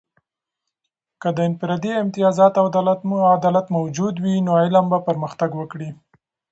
که د انفرادي امتیازات او عدالت موجود وي، نو علم به پرمختګ وکړي.